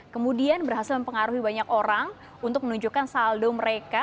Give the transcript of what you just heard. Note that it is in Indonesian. kemudian berhasil mempengaruhi banyak orang untuk menunjukkan saldo mereka